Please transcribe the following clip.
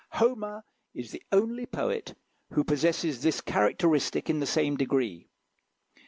Homer is the only poet who possesses this characteristic in the same degree.